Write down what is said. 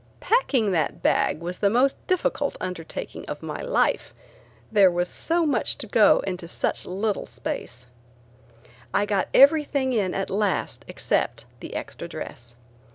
Packing that bag was the most difficult undertaking of my life; there was so much to go into such little space. I got everything in at last except the extra dress.